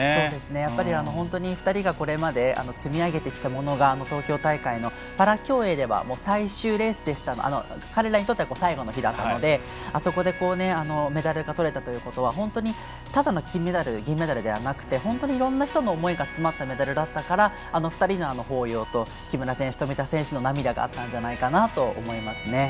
やっぱり本当に２人がこれまで積み上げてきたものが東京大会のパラ競泳では最終レース彼らにとっては最後の日だったのであそこでメダルがとれたということは本当にただの金メダル銀メダルではなくて本当にいろんな人の思いが詰まったメダルだったから２人のあの抱擁と木村選手と富田選手の涙があったんじゃないかなと思います。